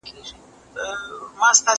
زه به سبا سبزیجات وچوم؟